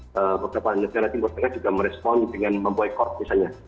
beberapa negara timur tengah juga merespon dengan memboykor misalnya